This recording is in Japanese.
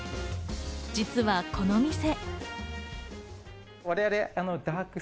実はこのお店。